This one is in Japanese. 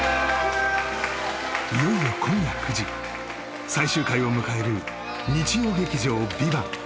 いよいよ今夜９時最終回を迎える日曜劇場「ＶＩＶＡＮＴ」